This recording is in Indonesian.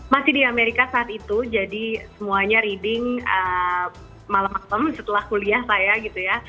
masih di amerika saat itu jadi semuanya reading malam malam setelah kuliah saya gitu ya